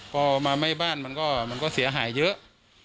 พอมาไหม้บ้านมันก็เสียหายเยอะ